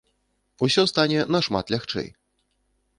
Усё стане нашмат лягчэй.